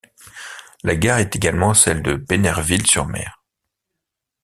La gare est également celle de Benerville-sur-Mer.